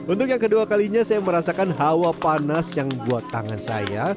untuk yang kedua kalinya saya merasakan hawa panas yang buat tangan saya